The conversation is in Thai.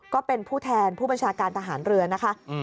ก็เป็นผู้แทนผู้บัญชาการทหารเรือนะคะ